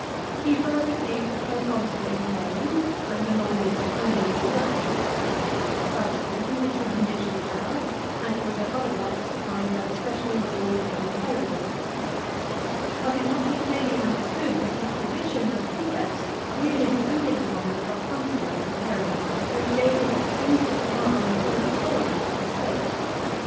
He first received the proconsular imperium and along with it the name Augustus ; subsequently the tribunician power ; and also other rights defined by the special Law de imperio. But it must be clearly understood, that his position as Princeps really depended upon the proconsular imperium, which gave him exclusive command of all the soldiers of the state.